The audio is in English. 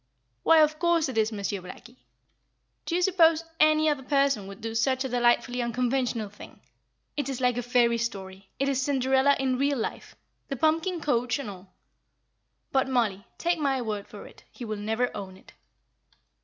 "Why, of course it is Monsieur Blackie. Do you suppose any other person would do such a delightfully unconventional thing. It is like a fairy story; it is Cinderella in real life, the pumpkin coach and all. But Mollie, take my word for it, he will never own it.